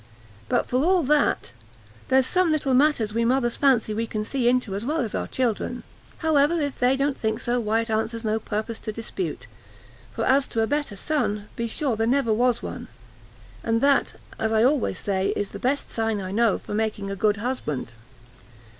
But for all that, there's some little matters that we mothers fancy we can see into as well as our children; however, if they don't think so, why it answers no purpose to dispute; for as to a better son, to be sure there never was one, and that, as I always say, is the best sign I know for making a good husband."